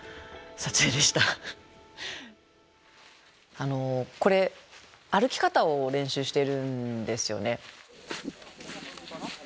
あのこれ歩き方を練習してるんですよね。